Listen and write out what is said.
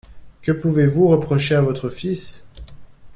Que pouvez-vous reprocher à votre fils!